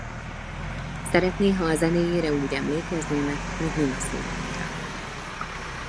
Szeretné ha a zenéjére úgy emlékeznének mint Nina Simone-re.